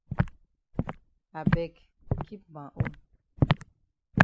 I beg keep ma own.